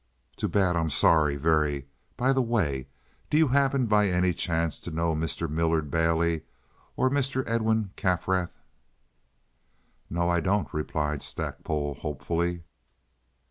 "Too bad. I'm sorry, very. By the way, do you happen, by any chance, to know Mr. Millard Bailey or Mr. Edwin Kaffrath?" "No, I don't," replied Stackpole, hopefully.